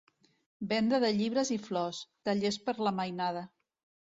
Venda de llibres i flors, tallers per a la mainada.